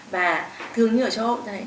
và thường như ở châu âu